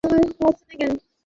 আমি বেনোয়িটকে পাঠাচ্ছি।